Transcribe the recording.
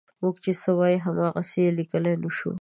موږ چې څه وایو هماغسې یې لیکلی نه شو.